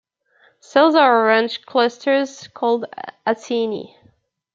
Cells are arranged clusters called "acini".